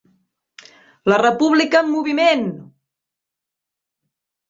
La República en moviment!